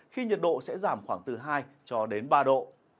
khi nhiệt độ sẽ giảm khoảng từ hai cho đến ba độ